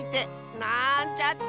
なんちゃって！